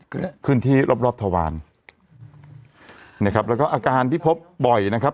คือขึ้นที่รอบธวาลแล้วก็อาการที่พบบ่อยนะครับ